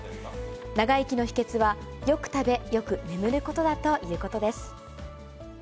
長生きの秘けつはよく食べ、よく眠ることだということです。